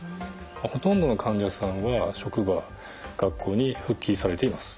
ほとんどの患者さんは職場学校に復帰されています。